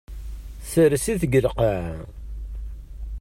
Sers-it deg lqaɛa.